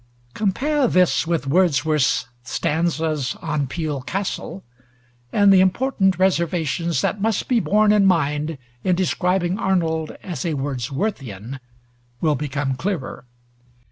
Compare this with Wordsworth's 'Stanzas on Peele Castle,' and the important reservations that must be borne in mind in describing Arnold as a Wordsworthian will become clearer.